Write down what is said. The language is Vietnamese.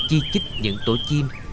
chi chích những tổ chim